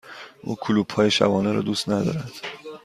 او کلوپ های شبانه را دوست ندارد.